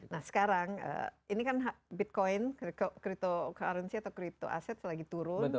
nah sekarang ini kan bitcoin cryptocurrency atau crypto aset lagi turun